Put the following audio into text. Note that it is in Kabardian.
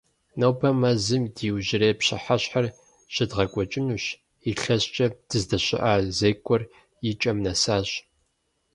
Нобэ мэзым ди иужьрей пщыхьэщхьэр щыдгъэкӏуэнущ, илъэскӀэ дыздэщыӀа зекӀуэр и кӏэм нэсащ.